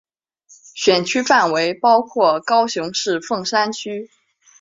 选区范围包括高雄市凤山区。